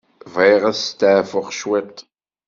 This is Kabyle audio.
Bɣiɣ ad steɛfuɣ cwiṭ.